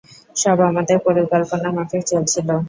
সব আমাদের পরিকল্পনামাফিক চলছিল।